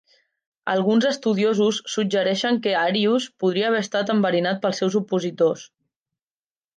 Alguns estudiosos suggereixen que Arius podria haver estat enverinat pels seus opositors.